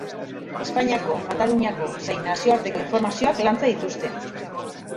Espainiako, Kataluniako zein nazioarteko informazioak lantzen dituzte.